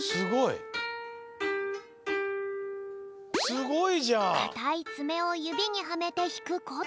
すごい！かたいつめをゆびにはめてひくこと。